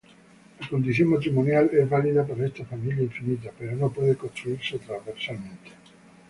La condición matrimonial es válida para esta familia infinita, pero no puede construirse transversal.